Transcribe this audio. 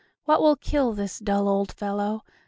What will kill this dull old fellow?